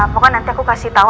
pokoknya nanti aku kasih tahu